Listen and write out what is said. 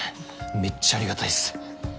めっちゃありがたいっす。